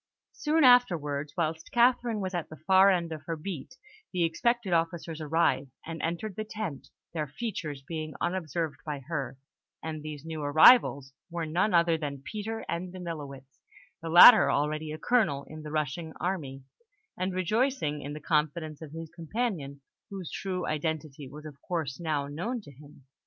Soon afterwards, whilst Catherine was at the far end of her beat, the expected officers arrived, and entered the tent, their features being unobserved by her; and these new arrivals were none other than Peter and Danilowitz, the latter already a colonel in the Russian army, and rejoicing in the confidence of his companion, whose true identity was of course now known to him.